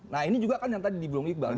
nah ini juga kan yang tadi dibelungi kebal